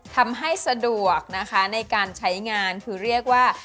ทำให้สะดวกนะคะในการใช้งานคือเรียกว่า